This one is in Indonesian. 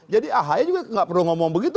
jadi ahaya juga tidak perlu ngomong begitu